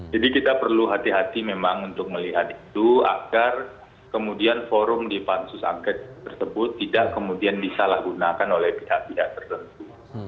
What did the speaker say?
jadi kita perlu hati hati memang untuk melihat itu agar kemudian forum di pansus aged tersebut tidak kemudian disalahgunakan oleh pihak pihak tertentu